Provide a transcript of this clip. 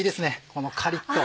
このカリっと。